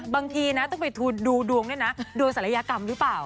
บางทีนะต้องไปดูดวงเนี่ยนะโดนศัลยกรรมหรือเปล่า